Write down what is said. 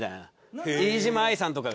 飯島愛さんとかが。